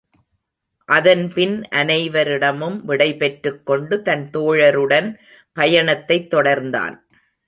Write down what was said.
அதன்பின் அனைவரிடமும் விடைபெற்றுக் கொண்டு தன் தோழருடன் பயணத்தைத் தொடர்ந்தான்.